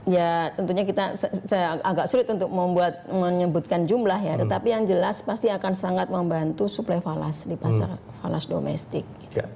ya tentunya kita agak sulit untuk membuat menyebutkan jumlah ya tetapi yang jelas pasti akan sangat membantu suplai falas di pasar falas domestik